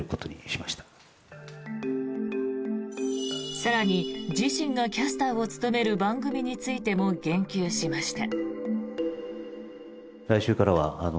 更に自身がキャスターを務める番組についても言及しました。